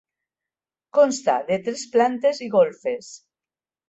Consta de tres plantes i golfes.